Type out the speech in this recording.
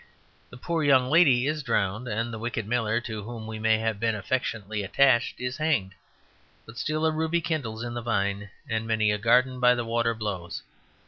The poor young lady is drowned, and the wicked miller (to whom we may have been affectionately attached) is hanged; but still a ruby kindles in the vine, and many a garden by the water blows.